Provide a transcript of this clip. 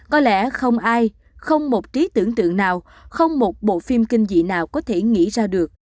có lẽ không ai không một trí tưởng tượng nào không một bộ phim kinh dị nào có thể nghĩ ra được